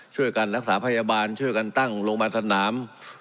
ช่วยกันรักษาพยาบาลช่วยกันตั้งโรงพยาบาลสนาม